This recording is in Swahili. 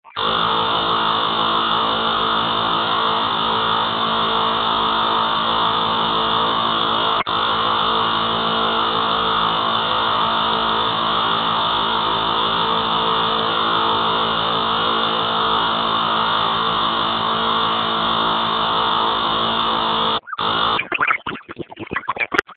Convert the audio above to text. Kwani kiwango cha juu cha idadi ya watu kilichangia katika kupungua kwa ukuaji wa uchumi .